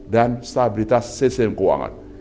dan stabilitas sistem keuangan